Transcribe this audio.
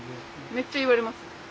めっちゃ言われます。